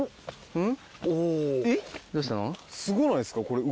うん。